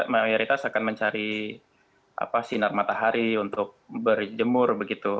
mayoritas akan mencari sinar matahari untuk berjemur begitu